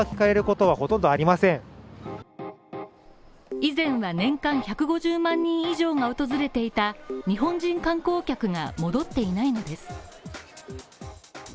以前は年間１５０万人以上が訪れていた日本人観光客が戻っていないのです。